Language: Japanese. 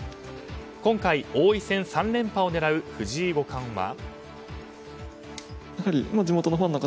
今回、王位戦３連覇を狙う藤井五冠は。